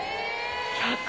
１００？